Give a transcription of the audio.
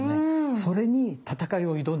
それに戦いを挑んだお米です。